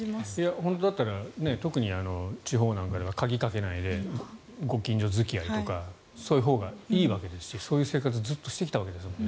本当だったら特に地方なんかでは鍵をかけないでご近所付き合いとかそういうほうがいいわけですしそういう生活をずっとしてきたわけですもんね。